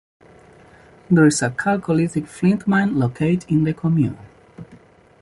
There is a Chalcolithic flint mine located in the commune.